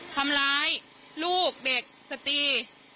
ทำร้ายลูกเด็กสตี